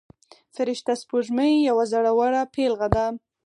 فرشته سپوږمۍ یوه زړوره پيغله ده.